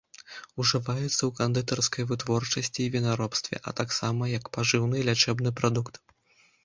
Ужываецца ў кандытарскай вытворчасці і вінаробстве, а таксама як пажыўны і лячэбны прадукт.